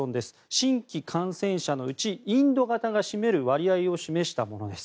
新規感染者のうちインド型が占める割合を示したものです。